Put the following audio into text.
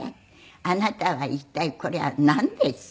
あなたは一体これはなんですか？